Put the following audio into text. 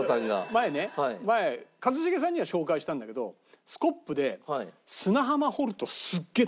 前ね前一茂さんには紹介したんだけどハハハハッ！